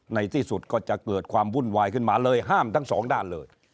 ในที่สุดก็จะเกิดความวุ่นวายขึ้นมาเลยห้ามทั้งสองด้านเลย